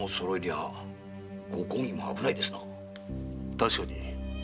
確かに。